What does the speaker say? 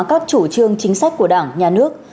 các chủ trương chính sách của đảng nhà nước